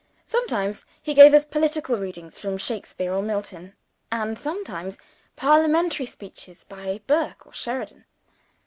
Sometimes he gave us poetical readings from Shakespeare or Milton; and sometimes Parliamentary speeches by Burke or Sheridan.